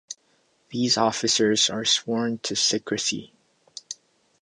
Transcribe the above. These officers are sworn to secrecy.